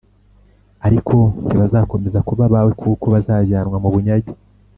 ariko ntibazakomeza kuba abawe kuko bazajyanwa mu bunyage.